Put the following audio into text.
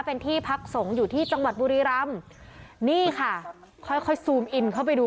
เป็นที่พักสงฆ์อยู่ที่จังหวัดบุรีรำนี่ค่ะค่อยค่อยซูมอินเข้าไปดู